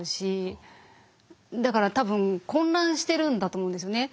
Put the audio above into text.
だから多分混乱してるんだと思うんですよね。